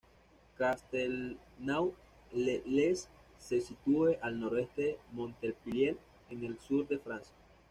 Castelnau-le-Lez se sitúe al noreste de Montpellier, en el sur de Francia.